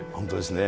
本当ですね。